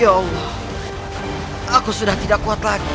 ya allah aku sudah tidak kuat lagi